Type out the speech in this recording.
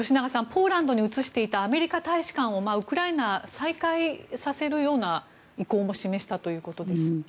ポーランドに移していたアメリカ大使館をウクライナ、再開させるような意向も示したということです。